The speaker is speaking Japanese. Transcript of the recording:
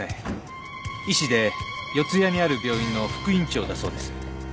医師で四谷にある病院の副院長だそうです。